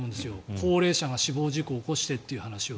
高齢者が死亡事故を起こしてという話は。